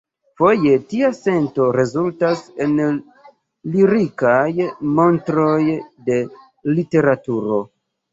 Foje tia sento rezultas en lirikaj montroj de literaturo.